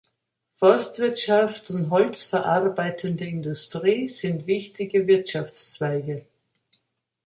Forstwirtschaft und holzverarbeitende Industrie sind wichtige Wirtschaftszweige.